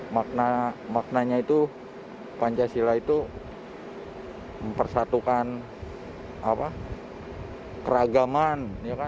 maknanya itu pancasila itu mempersatukan keragaman